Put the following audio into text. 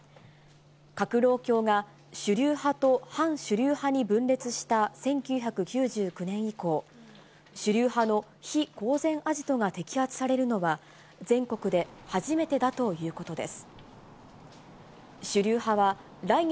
革労協が、主流派と反主流派に分裂した１９９９年以降、主流派の非公然アジトが摘発されるのは全国で初めてだということです。